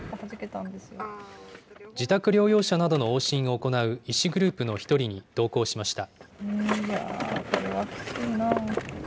自宅療養者などの往診を行う医師グループの１人に同行しました。